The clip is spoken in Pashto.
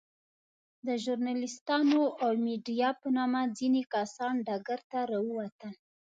د ژورناليستانو او ميډيا په نامه ځينې کسان ډګر ته راووتل.